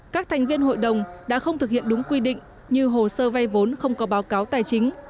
các thành viên hội đồng đã không thực hiện đúng quy định như hồ sơ vay vốn không có báo cáo tài chính